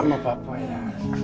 amah papa ya